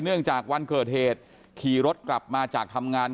เนื่องจากวันเกิดเหตุขี่รถกลับมาจากทำงาน